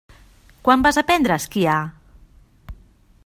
Quan vas aprendre a esquiar?